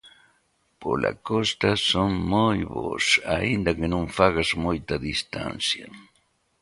Pola costa son moi bos, aínda que non fagas moita distancia.